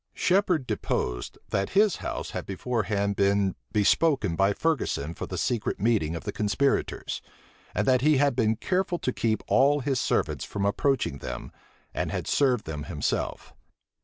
Shephard deposed, that his house had beforehand been bespoken by Ferguson for the secret meeting of the conspirators, and that he had been careful to keep all his servants from approaching them, and had served them himself.